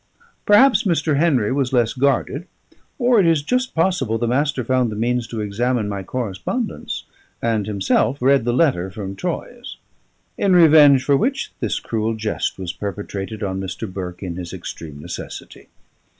Perhaps Mr. Henry was less guarded; or it is just possible the Master found the means to examine my correspondence, and himself read the letter from Troyes: in revenge for which this cruel jest was perpetrated on Mr. Burke in his extreme necessity.